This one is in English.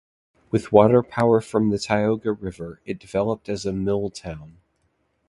With water power from the Tioga River, it developed as a mill town.